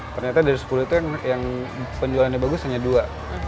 ternyata dari sepuluh itu yang penjualannya bagus hanya dua